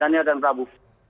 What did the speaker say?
daniel dan prabu